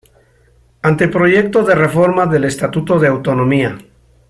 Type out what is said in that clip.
Anteproyecto de reforma del Estatuto de Autonomía.